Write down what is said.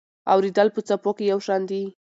اورېدل په څپو کې یو شان دي.